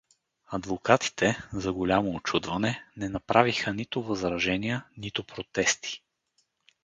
Адвокатите, за голямо учудване, не направиха нито възражения, нито протести.